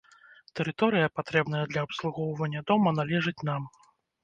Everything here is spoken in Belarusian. Тэрыторыя, патрэбная для абслугоўвання дома, належыць нам.